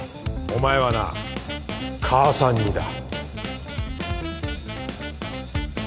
お前はな母さん似だ